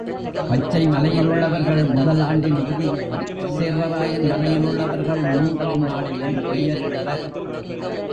பச்சை மலையிலுள்ளவர்கள் முதல் ஆண்டின் இறுதியிலும், சேர்வராயன் மலையிலுள்ளவர்கள் மூன்றாம் நாளிலும் பெயரிடுவர்.